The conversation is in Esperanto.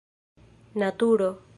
naturo